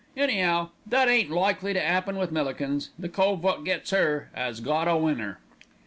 Any'ow that ain't likely to 'appen with Millikins. The cove wot gets 'er, 'as got a winner."